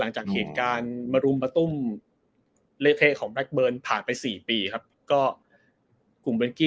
ในการกินไก่